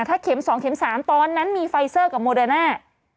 ถ้าเข็ม๒เข็ม๓ตอนนั้นมีไฟเซอร์กับโมเดอร์น่า